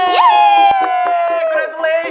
yaitu adalah bertemu dengan gibran